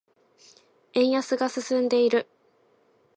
円安が進んでいる。